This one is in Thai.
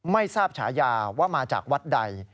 ไม่ทราบฉายาว่ามาจากวัดใด